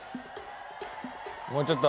もうちょっと。